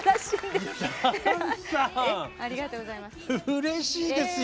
うれしいですよ。